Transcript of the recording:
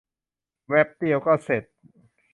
แปบเดียวก็เสร็จ